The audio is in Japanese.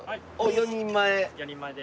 ４人前で。